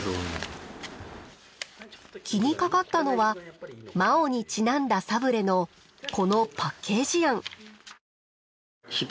気にかかったのはマオにちなんだサブレのこのパッケージ案。